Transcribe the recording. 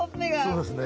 そうですね。